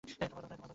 তোমারও দরকার নেই।